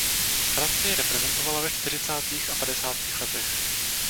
Francii reprezentovala ve čtyřicátých a padesátých letech.